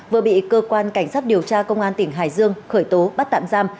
vừa bị cơ quan cảnh sát điều tra công an tỉnh hải dương khởi tố bắt tạm giam